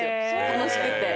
楽しくて。